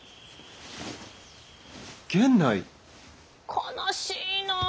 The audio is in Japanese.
悲しいなぁ。